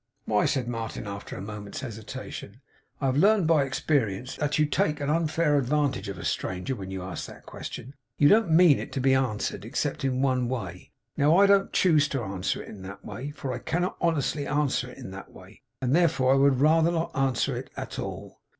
'Why,' said Martin, after a moment's hesitation, 'I have learned by experience, that you take an unfair advantage of a stranger, when you ask that question. You don't mean it to be answered, except in one way. Now, I don't choose to answer it in that way, for I cannot honestly answer it in that way. And therefore, I would rather not answer it at all.